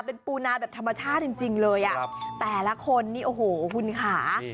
เป็นปูนาแบบธรรมชาติจริงเลยอ่ะแต่ละคนนี่โอ้โหคุณค่ะ